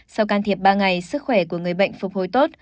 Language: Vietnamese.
sau can thiệp ba ngày sức khỏe của người bệnh phục hồi tốt